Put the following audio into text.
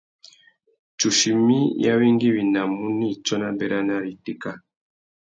Tsuchimi i awéngüéwinamú nà itsôna béranari itéka.